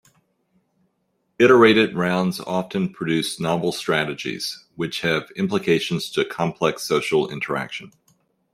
Iterated rounds often produce novel strategies, which have implications to complex social interaction.